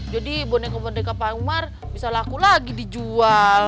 jadi boneka boneka pak umar bisa laku lagi dijual